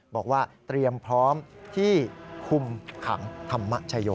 บอกว่าเตรียมพร้อมที่คุมขังธรรมชโย